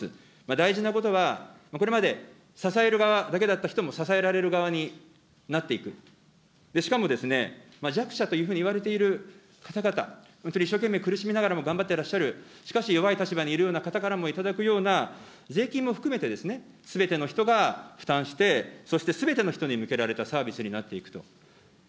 大事なことは、これまで支える側だけだった人も、支えられる側になっていく、しかも、弱者というふうに言われている方々、本当に一生懸命苦しみながらも頑張ってらっしゃる、しかし、弱い立場にいる方からも頂くような税金も含めて、すべての人が負担して、そしてすべての人に向けられたサービスになっていくと。